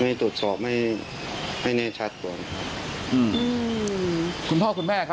ไม่ตรวจสอบให้แน่ชัดกว่า